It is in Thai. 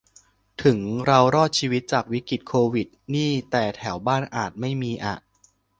ถึงเรารอดชีวิตจากวิกฤติโควิดนี่แต่แถวบ้านอาจไม่มีอะ